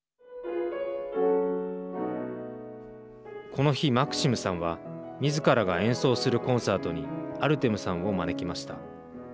この日、マクシムさんはみずからが演奏するコンサートにアルテムさんを招きました。